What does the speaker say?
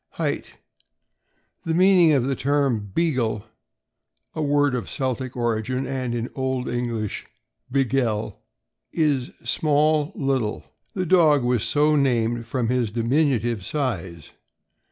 Height. — The meaning of the term "Beagle" (a word of Celtic origin, and in old English Begele), is small, little. The dog was so named from his diminutive size.